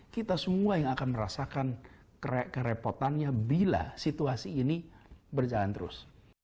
kita semua yang akan merasakan kerepotannya bila situasi ini berjalan terus